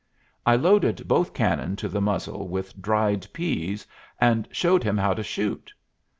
I loaded both cannon to the muzzle with dried pease, and showed him how to shoot.